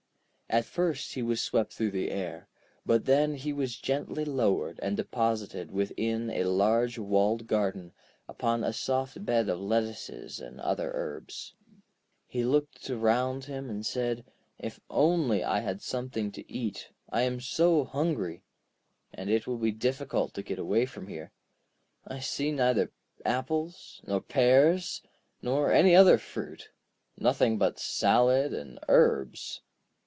At first he was swept through the air, but then he was gently lowered and deposited within a large walled garden, upon a soft bed of lettuces and other herbs. He looked around him and said: 'If only I had something to eat; I am so hungry. And it will be difficult to get away from here. I see neither apples nor pears, nor any other fruit, nothing but salad and herbs.'